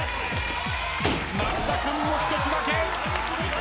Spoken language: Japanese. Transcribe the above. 増田君も１つだけ。